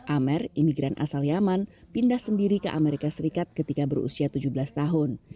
amer imigran asal yaman pindah sendiri ke amerika serikat ketika berusia tujuh belas tahun